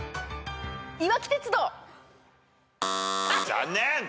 残念。